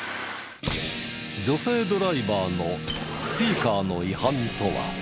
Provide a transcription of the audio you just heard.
女性ドライバーのスピーカーの違反とは？